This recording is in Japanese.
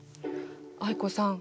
藍子さん